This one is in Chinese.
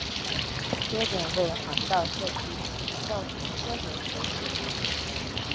缺点为环道设计容易造成车流回堵。